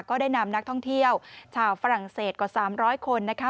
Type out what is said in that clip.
ก็ได้นำนักท่องเที่ยวชาวฝรั่งเศสกว่า๓๐๐คนนะคะ